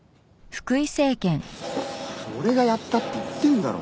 俺がやったって言ってんだろ。